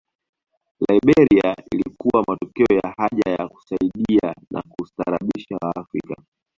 Liberia ilikuwa matokeo ya haja ya kusaidia na kustaarabisha Waafrika